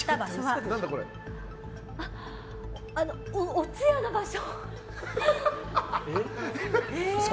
お通夜の場所。